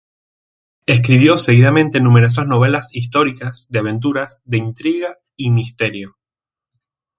Escribió seguidamente numerosas novelas históricas, de aventuras, de intriga y misterio.